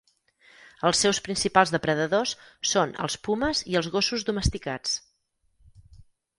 Els seus principals depredadors són els pumes i els gossos domesticats.